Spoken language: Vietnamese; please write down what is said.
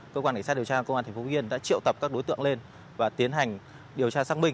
công an cảnh sát điều tra công an thành phố vĩnh yên đã triệu tập các đối tượng lên và tiến hành điều tra xác minh